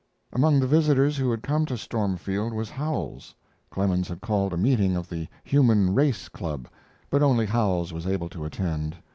] Among the visitors who had come to Stormfield was Howells. Clemens had called a meeting of the Human Race Club, but only Howells was able to attend.